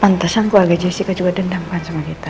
pantesan keluarga jessica juga dendamkan sama kita